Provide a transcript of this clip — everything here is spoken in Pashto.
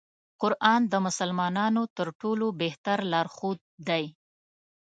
قرآن د مسلمانانو تر ټولو بهتر لار ښود دی.